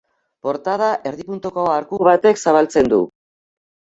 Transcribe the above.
Portada erdi-puntuko arku batek zabaltzen du.